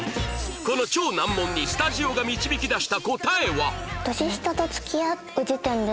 この超難問にスタジオが導き出した答えは？